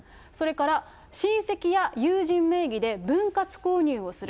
それから親戚や友人名義で分割購入をする。